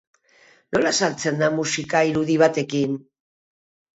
Nola saltzen da musika irudi batekin?